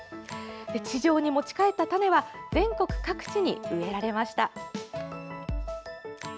地上に持ち帰った種は全国各地に植えられました。